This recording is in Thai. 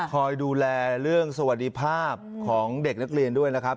คอยดูแลเรื่องสวัสดีภาพของเด็กนักเรียนด้วยนะครับ